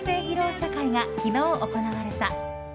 試写会が昨日行われた。